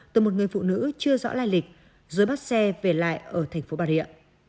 từ một người phụ nữ chưa rõ lai lịch rồi bắt xe về lại ở tp bà rịa